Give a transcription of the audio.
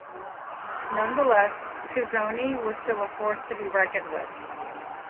Nonetheless, Cuzzoni was still a force to be reckoned with.